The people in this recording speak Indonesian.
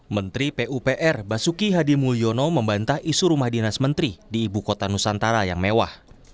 menteri pupr basuki hadi mulyono membantah isu rumah dinas menteri di ibu kota nusantara yang mewah